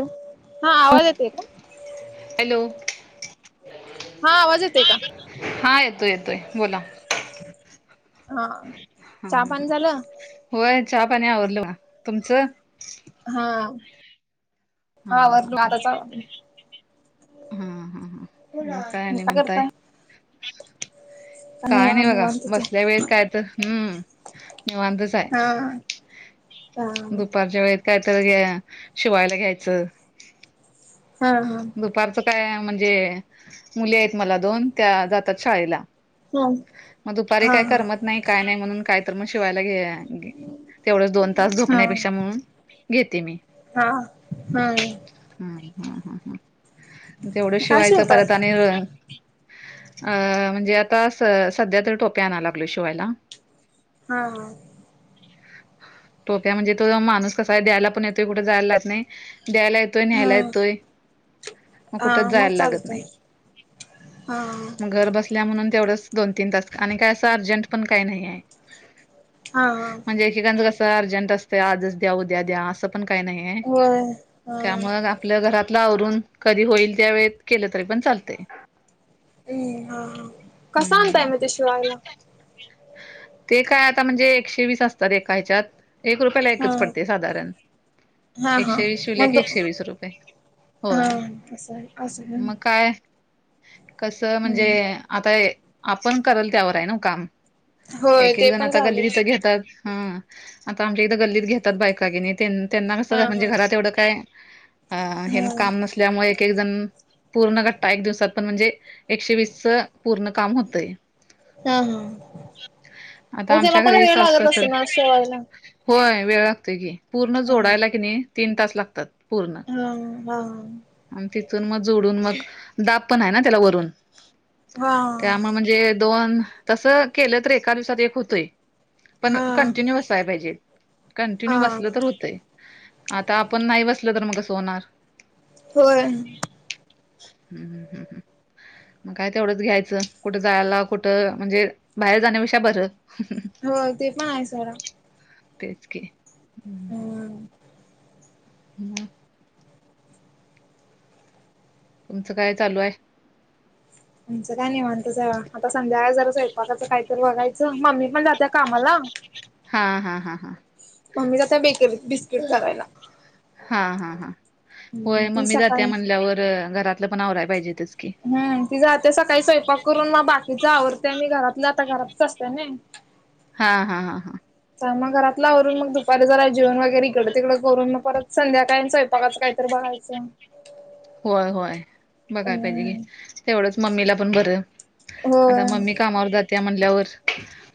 हा हॅलो आवाज येतोय का? हॅलो! हा आवाज येतोय का? हा येतोय -येतोय बोला. हा हम्म चहा हम्म. पाणी झालं होय चहा पाणी आवरल बघा. तुमचं? हा. हम्म हम्म हम्म आवरलं आताच आवरलं हम्म हम्म हम्म हम्म मग काय आणि म्हणताय? [unintelligible] काय नाही बघा बसल्या वेळेत काय तर हम्म निंवातच हाय. हा. हा दुपारच्या वेळेत काय तर घ्या शिवायला घ्यायचं. हा हा. दुपारचं काय म्हणजे मुली आहेत मला दोन त्या जातात शाळेला. मग दुपारी काय हा करमत नाही. काय नाही म्हणून काय तर मग शिवायला घे तेवढंच दोन तास हा झोपण्यापेक्षा म्हणून घेते मी. हा. हम्म हम्म हम्म हम्म तेवढंच काय शिवायचं शिवताय परत आणि अ म्हणजे आता सध्या तर टोप्या आणायला लागलोय शिवायला. हा. [inaudible] टोप्या म्हणजे तो माणूस कसा आहे द्यायला पण येतोय. कुठ जायला लागतं नाही. द्यायला येतोय. हा न्ह्यायला येतो. मग हा कुठचं जायला लागत चालतंय नाही. हा मग - - घर बसल्या म्हणून तेवढंच दोन तीन तास आणि काय असं अर्जंट पण काही नाही आहे. हा हा. म्हणजे एकेकांचं कसं अर्जंट असतं आजचं द्यां उद्यां द्यां असं पणं कांहीं नाहीं हे होय हा त्यांमुळं आपणं आपलं घरांतलं आवरूंन कधीं होईल त्यां वेळेत केलं तरी पणं चालतंय हम्मं हां हां कसं आणतांय हम्म मंग ते शिवांयला ते कायं आंता म्हणजे एकशे वीस असतांत एकाच्यांत एक रुप हा एकचं पडते साधांरण हा हा एकशे वीस शिवले मग की दो एकशे वीस रुपये हा होयं असं आहे असं आहे मंग कायं कसं म्हणजे हम्म आंता आपणं करलं त्यांवर आहे नां कामं होय एक एक ते जणं पण आंता गल्लीत तिथं झालंच घेतांत हं आंता आमच्या एकदां गल्लीत घेतांत बायंका घेणी त्यांना हा नसं हा. म्हणजे घरांत एवढं हा कायं कामं नं मुळेणं पूर्णट एक दिवसांत पणं म्हणजे एके वीस पूर्ण कांम होतं हां हां आता मंग त्यांला आमच्या पणं वेळं लागतं असतं नां शेव्हांयाला होयं वेळं लागतोय की पूर्ण जोडांयला की नाहीं तीनं तास लागतांत पूर्ण हंव हंव आणि तिथूंन मंग जोडूंन मंग दांब पणं आहे नां त्यांला वरूंन हा त्यांमुळे म्हणजे दोन तसं केलं तरं एकां दिवसांत एक होतोयं पणं हा कंटिन्यू बसांयला पाहिजे कंटिन्यू हा बसलं तरं होतंय आंता आपणं नाहीं बसंल तरं मंग कसं होनांर होयं हम्मं हम्मं हम्मं हम्मं मंग कायं तेवढंच घ्यायचं कुठं जायंला कुठं म्हणजे बाहेर जाण्यांविषय बरं हो ते पणं आहे मायं सारं तेचं की हम्मं हम्मं तुमचं कायं चालूं आहे तुमचं कायं नाहीं म्हणतं सवं आंता संध्याकांळ जरां स्वयंपाकाचं कांहींतरी बघायचं मम्मी पणं जात्यां कामांला हां हां हां हां मम्मी लां कायं बे केली हां हां हां हम्म होयं ती मम्मी जाते सकाळी म्हणल्यांवर घरांत पणंवय पाहिजे ते हम्मं ती जाततेे सकाळीं स्वयंपाक करूंन मंग बाकीचं आवडतेय मी घरातलं आंता घरांतच असतं नां हां हां हां हां मंग घरांतल आवरूंन मंग दुपारीला जरां जेवणं वगैरें इकडं तिकडे करूंन मंग परंत संध्याकायं स्वयंपाकाचं कायं तरं बाहेरचं होयं होयं बघांय पाहिजे अं तेवढंच मम्मीला पणं बरं आंता होय मम्मी कामांवर जाते यां म्हंणल्यांवर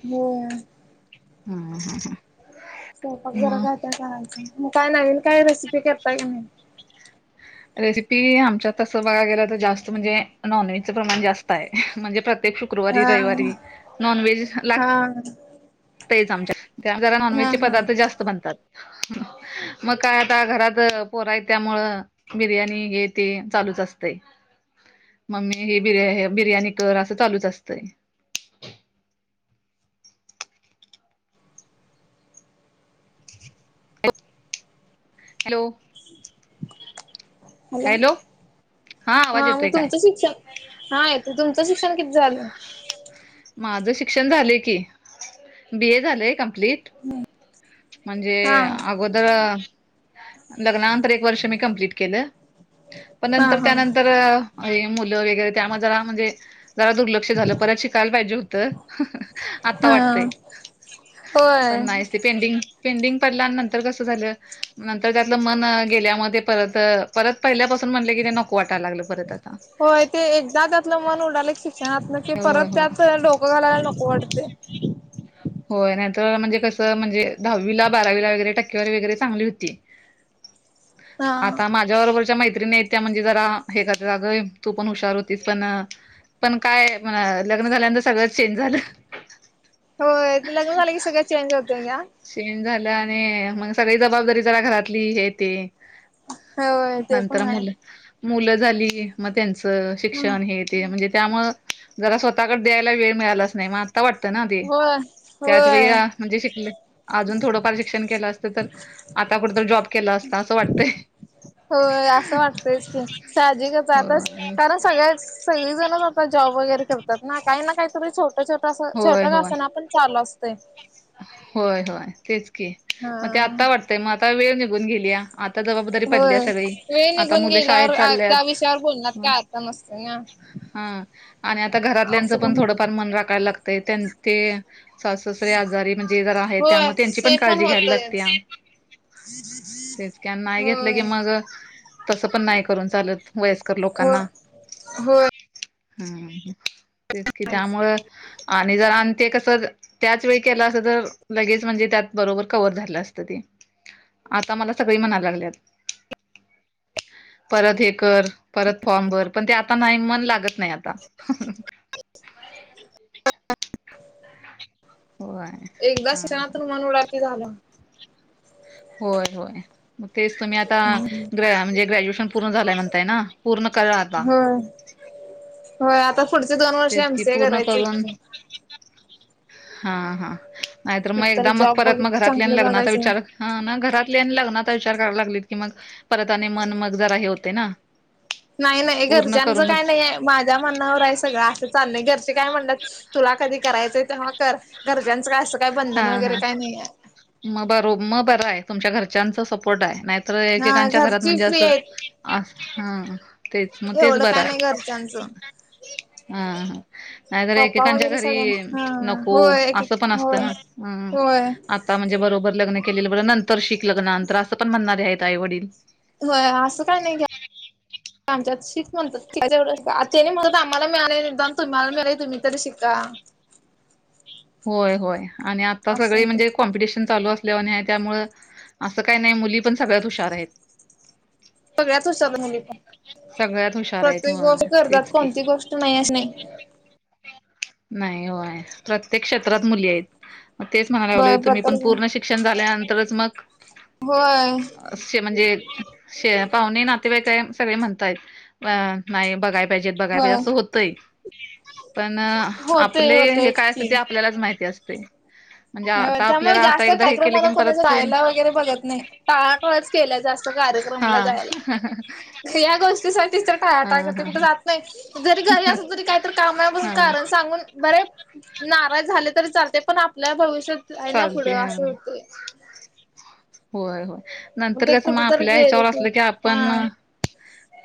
हो अं हम्मं हम्मं हम्मं स्वयंपाक जरां जास्तं कारायंचा मंग कायं नवीन कांहीं रेसिपी करतांय रेसिपी आमच्यांत तसं बघां गेलं तरं जास्तं म्हणजे नॉनव्हेजचं प्रमाणं जास्तं आहे म्हणजे प्र्य प्रत्येक शुक्रवारी हा रविवारी नॉन व्हेज लागतं हा लागतयचं आमच्या त्यां जरां हा नॉनव्हेजचे हा पदार्थ जास्तं बनतांत मंग कायं आंता घरांत पोरांय त्यांमुळं बिर्याणी, हे ते चालूच असतय. मम्मी हे बिर्या-बिर्याणी कर, असं चालूच असतंय. [unintelligible] हॅलो? हॅलो? हा आवाज हां, म येतोय काय तुमचं शिक्षण, हां येतोय, तुमचं शिक्षण किती झालंय? माझं शिक्षण झालंय की, बी ए झालंय, कम्प्लीट. ह. म्हणजे अगोदर अ लग्नानंतर एक वर्ष मी कंप्लीट केलं. पण हा नंतर, हा त्यानंतर आई, मुलं वगैरे त्यामध्ये जरा, म्हणजे जरा दुर्लक्ष झालं, परत शिकायला पाहिजे होतं. ह्हणं, आता हा वाटतय, पण होय. नाही ते पेंडिंग-पेंडिंग पडल्या नंतर, कसं झालं? नंतर त्यातलं मन गेल्यामध्ये, परत, परत पहिल्यापासून म्हटले की, ते नको वाटायला लागलं परत अत होय, ते एकदा त्यातलं मन उडाल शिक्षणातल, की हो परत हो त्यात डोक घालायला नको, वाटतय. होय नायत, म्हणजे कसं, म्हणजे दहावीला बारावीला वगैरे, टक्केवारी वगैरे, चांगली होती. हा आता मा झ्या बरोबरच्या मैत्रीणीत, त्या म्हणजे जरा, हे करतात, अगं तू पण हुशार होतीस, पण पण काय, म्हण लग्न झाल्यानंतर, सगळंच चेंज झालं. होयं, लग्न झालं की, सगळं चेंज होतय घ्या. चेंज झालं आणि, मग सगळी जबाबदारी, जरा घरातली हे ते. होय ते नंतर पण आहे मुल मुलं झाली, म त्यांचं शिक्षण हे ते, म्हणजे त्यामुळं जरा स्वतःकड द्यायला वेळ मिळालाच नाही, म आ ता वाटतं ना ते, होय त्याच होय वेळीला, म्हणजे शिकल अजून थोडंफार शिक्षण केलं असतं, तर आता कुठ तर जॉब केला असता, असं वाटतय. होयं असं वाटतयच की, साहजिकच आ हो तस, आता आता सगळेच, सगळी जण आता जॉब वगैरे करतात ना, काही ना, काही तरी छोटं-छोटं असं छोट होय का होय असना, पण चालू असतय. होय होय तेच की, म हा ते आता वाटतय, म आता वेळ निघून गेलीया. आता जबाबदारी पडली या होय सगळी, वेळ आता निघून मुले शाळेत गेल्यावर चालल्यात. त्या विषयावर बोलण्यात काय अर्थ नसतोय ना हा. आणि आता घरातल्यांचं, असं पण थोडं होत फार मन राखायला लागतंय, त्यां, ते सासुससरे ते म्हणजे जरा हाय, त्या म होय त्यांची पण ते काळजी घ्याय लागतेया. होतयच तेच की अन नाय घेतलं की, होय मग तस पण नाही करून चालत, वयस्कर हो लोकांना. होय. हम्म, तेच कि, त्यामुळं आणि जरा न ते कस, त्याच वेळी केलं असतं, तर लगेच, म्हणजे त्यात बरोबर कव्हर झालं असतं ते. आता मला सगळी म्हणाय लागल्यात परत हे कर, परत फॉर्म भर, पण ते आता नाही, मन लागत नाही आता. होय. एकदा शि [inaudible] हा नातून मन उडालं की झालं. होय होय. मंग तेचं तुम्हीं आंता ग्रॅ म्हणजे ग्रॅज्युएशन पूर्ण झालंय म्हणतांय नां पूर्ण करां आंता. हो आंता पुढचे दोन वर्ष एम सी ए करायचं आहे की. हां हां नाहींतरं मंग एकतर एकदाचं मंग जॉब बघ परंत मंग घरांतल्या चांगलं लग्नांचा बघायचं. विचारं हां नां घरातल्यां आणि लग्नांचा विचारं करांयला लागलीत की मंग परंत आणि मनं मंग जरां हे होते नां नाहीं नाहीं घरच्यांचं कायं नाहींय माझ्यां म्हणण्यांवर आहे सगळं असं चाललंय. घरचे कायं म्हणतांत तुलां कधीं करायचंय तेंव्हा करं घरच्यांचं कायं असं काय बंधन हां वगैरे हां काय नाही आहे मंग बरो मंग बरं आहे तुमच्यां घरच्यांचा सपोर्ट आहे नाहीं तरं हा एकेकांच्या घरांत घरची म्हणजे फ्री असं आहेत तेचं मंग तेचं एवढं बरं काय आहे. नाही घरच्यांचं हां नाहीं तरं पप्पा एकेकांच्या वगैरे घरी सगळ्यां हा नको होय एक असं पणं असतं. चलां नां होय हम्मं होय आंता आंता म्हणजे बरोबर लग्नं केलेलं बरं नंतर शिक्षण लग्नां नंतर असं पणं म्हणणारे आहेतं आई वडील होयं असं कायं नाहीं घ्या आमच्यांत शिक्षणं म्हणतांत ते म्हणतांत आम्हांला मिळाले नाहीं तुम्हांला मिळालं तुम्हीं तरी शिकां होयं होयं आणि आंता असं सगळीं होतं म्हणजे कॉम्पिटिशन चालूं असं जेणी आहे त्यांमुळे असं कांहीं नाहीं मुली पणं सगळ्यांत हुशांर आहेतं सगळ्यांचं उसतरांत म्हणली सगळ्यात पणं हुशार आहेत प्रत्येक गोष्ट होय करतांत कोणती गोष्ट नाहीं अशी नाहीं नाहीं होयं प्रत्येक क्षेत्रांत मुली आहेतं मंग तेचं म्हणांयलावले होय तुम्हीं प्रत्येक पणं पूर्ण शिक्षणं झाल्यानंतरच मंग होयं असे म्हणजे शे पाहूणे नाते वाईक वगैरें सगळें म्हणतांय अं नाहीं बघायचं बं होय असं होतंय पणं होतय आपले होतयच कायं आपल्यांलाच माहिती असते म्हणजे आता त्यांमुळे आपल्याला आता जास्तं एकदा हे केलं कार्यक्रमांना की परत कोणाचं पूर्ण राहांयला वगैरें बघतं नाहीं काळा केलं जास्तं हा कार्यक्रमला जायलां यां गोष्टीसाठीचं तरं हा टाळांटाळं करते हा कुंठे ह जाते नाहीं जरी घरी असलं तरी कांहींतरी कामं आहे म्हणूंन हा कारणं सांगून बरे नारांज झाले तरी चालते पणं आपल्या भविष्यांत आहे नां चालते पुढं असं होतंय होयं होयं नंतर ते कसं कुठ मंग तर आपल्या गेले ह्यांच्यावर असलं की हा आपणं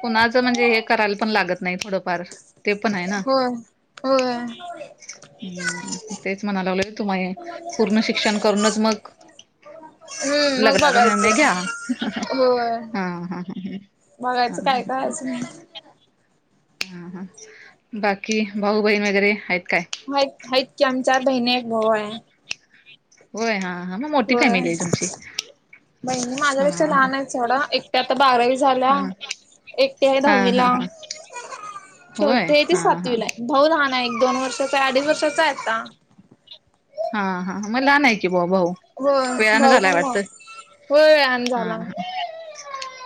कुणाचं म्हणजे हे करांयला पणं लागतं नाहीं थोडंफारं होयं होयं हम्मं तेचं म्हणांलागलं तुम्हां ही पूर्ण शिक्षणं करूंनचं मंग हम्मं मंग घ्या बघायचां होयं हा हा ह हा बघायचं कायं कायंच नाहीं हं हां बाकी भाऊ बहीण वगैरें आहेतं कायं भाईतं भाईतं चमचा धीमे होयं होयं हां हां मंग मोठी होय फॅमिली आहे तुमची बहिणी हा माझ्यापेक्षा हा लहांन आहे थोड्या एकट्यां आंता बारावी झाल्यां हा एकटी आहे हा दहावी हा लां हा होय छोटे आहे ते हा हा सातवीला भाऊ लहांन आहे एक दोन वर्षाचा अडीच वर्षाचा आहे आंता हां हां मंग लहांन आहे कि बं भाऊ होय वेळांनं भाऊ झालायं पण वाटतं मग होय व्यायाम झाला हां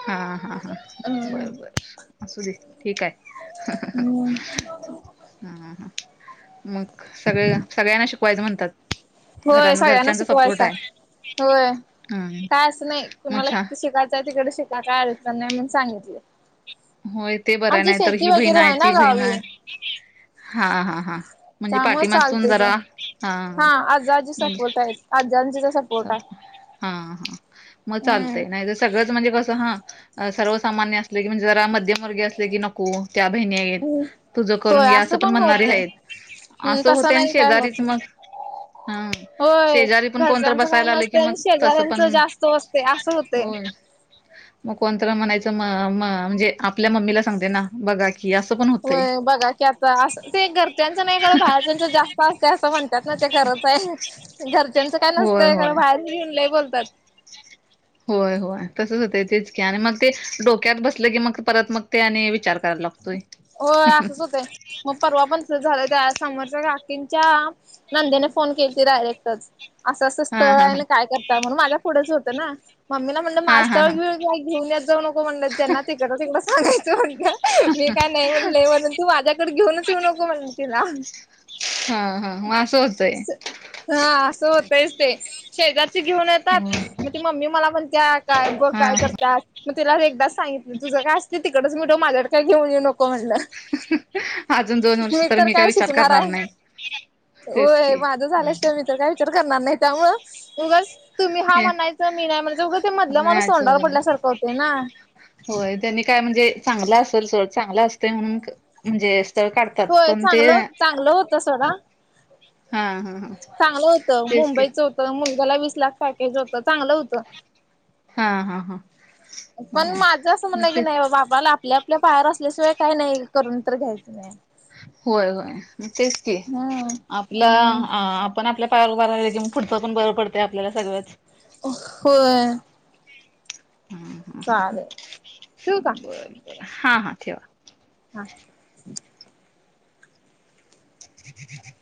हां हां हां हम्म बरं बरं अंसू दे ठीक आहे हम्मं हं मंग सगळं सगळ्यांना शिकवांयचं म्हणतांत होयं सगळ्यांना शिकवांयचं होयं हम्म कायं असं नाहीं मग कुणांला छान किती शिकायचंय तिकडे शिकांर कायं अडचणं नाहीं म्हंण सांगितलं होयं ते बरं नाहीं तरं ही बहिण आहे ना ती बहीण आहे गावी हां हां हां त्यामुळे पाठीमागूंन चालतय ग जरां हां आंजचां दिवसं हां हां मंग हम्म चालतंय नाहीं जे सगळंच म्हणजे कसं हां सर्वसामांन्य असले की म्हणजे जरां मध्यंमवर्गी असले की नको त्यां बहिणी आहेतं हम्म तुझं करूंन होय घ्यां असं पणं पण म्हणणारे होतय आहेतं हम्म असं तसं होतं आणि नाही काय होत शेजारीच नाही. मंग हां होय शेजारी पणं घरच्यांचं बयं काही आं की नसतंय आणि मंग ते शेजाऱ्यांचं पणं जास्त असतंय असं होतंय. मंग कोणतं म्हणायचं मं म्हणजे आपल्यां मम्मीला सांगते नां बघां हे असं पणं हो बघां की आंता असं ते घरच्यांचं नाहीं की बाहेरच्या चं जास्तं असते असं म्हणतांत नां ते घरचं आहे घरच्यांचं कायं होय नसतंय खरं होय बाहेर येऊंन लंय बोलतांत होयं होयं तसंच होतं तेचंक आणि मंग ते डोक्यांत बसलं की मंग परंत मंग ते आणि विचारं करांयला लागतं तोय [unintelligible] परवां पणं झालं त्यां समोरच्या काकींच्या नंदेने फोन केली डायरेक्ट चं असं असं हा स्थळं हा आहे हा नां कायं करतांय म्हणूंन माझ्या पुढेचं होतं नां मम्मीला म्हणलं माझं हा हा हा स्थंळगं घेऊनण्यांतत जाऊं नको म्हणतं ज्यांना ते करतं तेहां सगायचं म्हणतं मी कायं नाहीं म्हणले म्हणूंन तूं माझ्याकडे घेऊंनच येऊं नको म्हणं तिलां हं हां मंग असं होतंय हां असं होतंयच ते शेजारचे घेऊंन येतांत हो मंग ती मम्मी मलां म्हणत्यां कायं बघं हा कायं करत्यांस मी तिलां एकदाचं सांगितली तुझं कायं असतंय तिकडेच मिटवून माझ्याकडे कायं घेऊन येऊं नको म्हणलं अजून दोन वर्ष मी तर तरं काय कायं विचार शिकणांर करणार आहे नाही तेच की होयं माझं झाल्यांशिवाय मी तरं कायं विचारं करणारं नाहीं त्यामुळं उगांच तुम्हीं हां ए म्हणायं मी नाहीं म्हणायचं उगांच ते मधलं माणूंस नाहीच तोंडावर पडल्यांसारखं होते नां होयं त्यांनी कायं म्हणजे चांगलं असेल सोंड चांगलं असतंय म्हणूंन म्हणजे स्थळं काढतांत पणं ते तसं नां हां हां हां चांगलं होतं मुंबईचं होतं मुलंगालां वीस लाख पॅकेज होतं चांगलं होतं हां हां हां पणं माझं असं म्हणणं की नाहीं बाबां बाबांला आपल्या आपल्या पायांवर असल्यांशिवाय कांहीं नाहीं करूंन तरं घ्यायचं आणि होयं होयं तेचं की हम्म आपलां हम्म अं पणं आपल्या पायांवर उभं राहील की मंग पुढचं पणं बरं पडतं आपल्याला सगळंच होयं आवांज नीट ऐकूं येतं नाहीं चालेल ठेवूं कां हां हां ठेवां नाहीं आवांज नीट ऐकूं येतं नाहीं